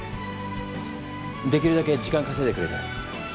できるだけ時間稼いでくれる？